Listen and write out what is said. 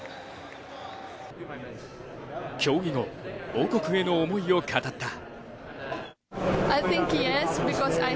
競技後、母国への思いを語った。